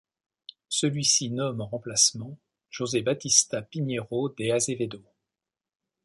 Celui-ci nomme en remplacement José Baptista Pinheiro de Azevedo.